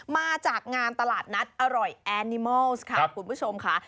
มาจากงานตลาดนัดอร่อยแอนิมอลค่ะคุณผู้ชมค่ะ